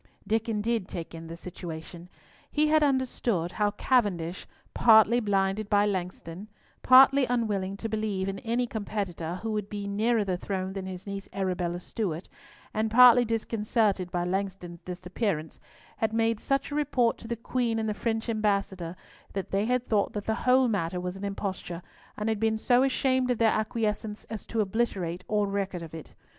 Diccon did take in the situation. He had understood how Cavendish, partly blinded by Langston, partly unwilling to believe in any competitor who would be nearer the throne than his niece Arabella Stewart, and partly disconcerted by Langston's disappearance, had made such a report to the Queen and the French Ambassador, that they had thought that the whole matter was an imposture, and had been so ashamed of their acquiescence as to obliterate all record of it.